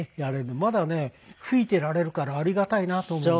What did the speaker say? まだね吹いていられるからありがたいなと思うんです。